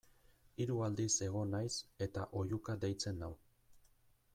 Hiru aldiz egon naiz eta oihuka deitzen nau.